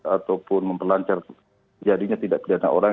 ataupun memperlancar jadinya tidak pidana orang